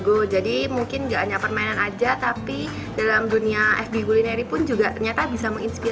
sekarang biar firmen settlers mungkin tidak bisa hiu s ace divie menguntuk dan memilih kampengnya